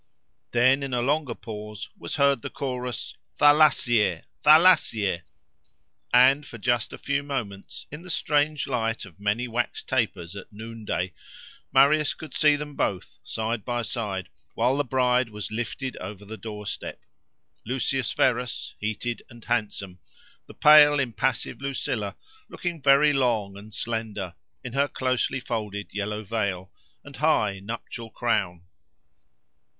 Then, in a longer pause, was heard the chorus, Thalassie! Thalassie! and for just a few moments, in the strange light of many wax tapers at noonday, Marius could see them both, side by side, while the bride was lifted over the doorstep: Lucius Verus heated and handsome—the pale, impassive Lucilla looking very long and slender, in her closely folded yellow veil, and high nuptial crown.